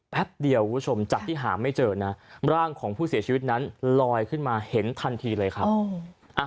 เดียวคุณผู้ชมจากที่หาไม่เจอนะร่างของผู้เสียชีวิตนั้นลอยขึ้นมาเห็นทันทีเลยครับ